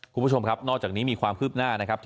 คุณผู้ชมครับนอกจากนี้มีความคืบหน้านะครับ